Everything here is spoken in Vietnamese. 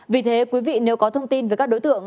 vì thế quý vị nếu có thông tin về các đối tượng